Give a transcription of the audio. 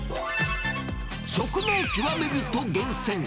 食の極め人厳選！